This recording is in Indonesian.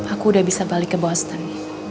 aku udah bisa balik ke boston